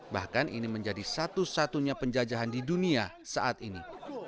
bahkan ini menjadi satu satunya penjajahan di dunia saat ini